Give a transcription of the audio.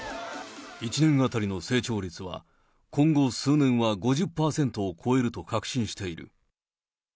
１年当たりの成長率は、今後数年は５０％を超えると確信している。